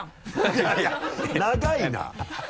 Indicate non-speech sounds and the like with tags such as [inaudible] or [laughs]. いやいやいや長いな [laughs]